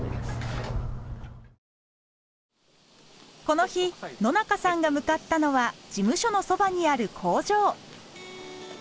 この日野中さんが向かったのは事務所のそばにある工場。